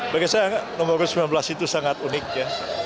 bagi saya nomor u sembilan belas itu sangat unik ya